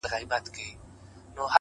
وخت د ژوند نه تکرارېدونکې پانګه ده!.